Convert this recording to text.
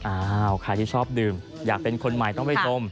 อ้าวใครที่ชอบดื่มอยากเป็นคนใหม่ต้องไปชม